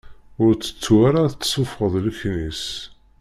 Ur tettu ara ad tessufɣeḍ leknis!